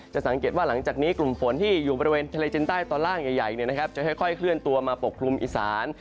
สังเกตว่าหลังจากนี้กลุ่มฝนที่อยู่บริเวณทะเลจินใต้ตอนล่างใหญ่จะค่อยเคลื่อนตัวมาปกคลุมอีสาน